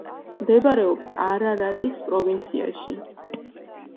მდებარეობს არარატის პროვინციაში.